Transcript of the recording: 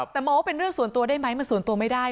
แต่มองว่าเป็นเรื่องส่วนตัวได้ไหมมันส่วนตัวไม่ได้